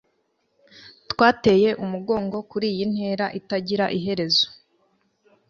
twateye umugongo kuriyi ntera itagira iherezo